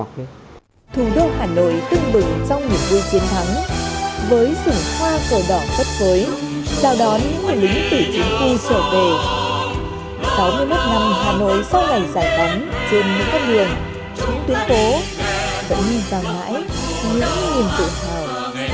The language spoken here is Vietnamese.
chúng tuyên bố vẫn như bao mãi